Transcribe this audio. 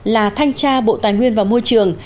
là thanh tra bộ tài nguyên và môi trường